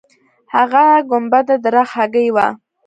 هغه ګنبده د رخ هګۍ وه.